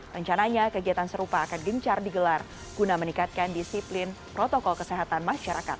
rencananya kegiatan serupa akan gencar digelar guna meningkatkan disiplin protokol kesehatan masyarakat